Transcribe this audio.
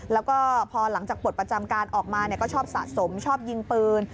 แล้วก็พอหลังจากปลดประจำการออกมาก็ชอบสะสมชอบยิงปืน